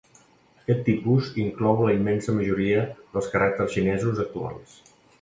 Aquest tipus inclou la immensa majoria dels caràcters xinesos actuals.